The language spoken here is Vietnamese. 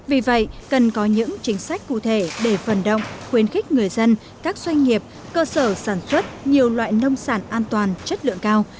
vì vậy cần có những chính sách cụ thể để phần động khuyến khích người dân các doanh nghiệp cơ sở sản xuất nhiều loại nông sản an toàn chất lượng cao